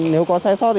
nếu có sai sót